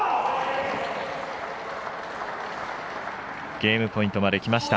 ゲームポイントまできました。